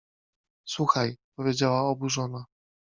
— Słuchaj! — powiedziała oburzona.